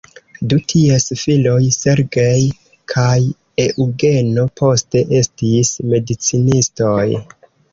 Du ties filoj "Sergej" kaj "Eŭgeno" poste estis medicinistoj.